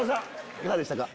いかがでしたか？